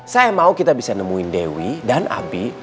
saya mau kita bisa nemuin dewi dan abi